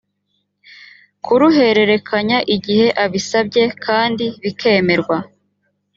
kuruhererekanya igihe abisabye kandi bikemerwa